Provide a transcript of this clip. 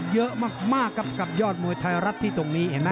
เยอะมากครับกับยอดมวยไทยรัฐที่ตรงนี้เห็นไหม